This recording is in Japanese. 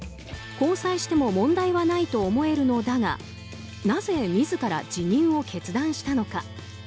交際しても問題はないと思えるのだがなぜ自ら辞任を決断したのか。